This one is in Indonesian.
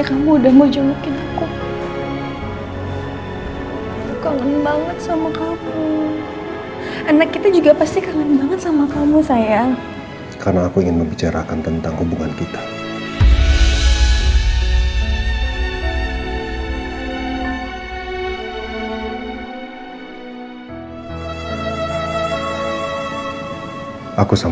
kamu bercanda kan kamu gak serius ngomong itu